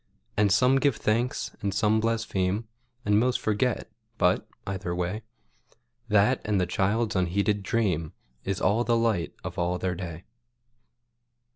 And give some thanks, and some blaspheme, And most forget, but, either way, That and the child's unheeded dream Is all the light of all their day.